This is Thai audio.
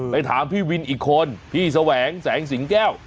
ถามพี่วินอีกคนพี่แสวงแสงสิงแก้ว